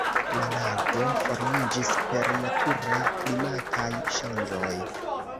La lago formiĝis per naturaj klimataj ŝanĝoj.